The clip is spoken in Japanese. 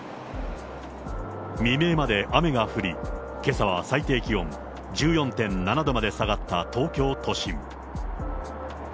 未明まで雨が降り、けさは最低気温１４．７度まで下がった東京都心。